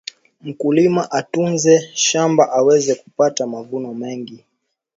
mkulima atunze shamba aweze kupata mavuno mengi